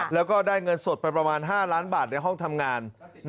แล้วก็ได้เงินสดไปประมาณ๕ล้านบาทในห้องทำงาน